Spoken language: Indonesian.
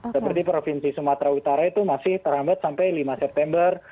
seperti provinsi sumatera utara itu masih terhambat sampai lima september